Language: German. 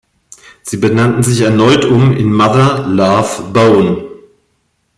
Sie benannten sich erneut um in "Mother Love Bone.